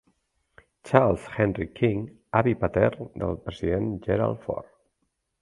Charles Henry King, avi patern del president Gerald Ford.